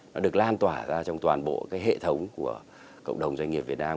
nó được lan tỏa ra trong toàn bộ cái hệ thống của cộng đồng doanh nghiệp việt nam